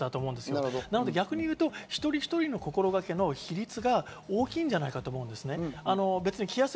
なので逆に言うと一人一人の心がけ・比率が大きいんじゃないかと思います。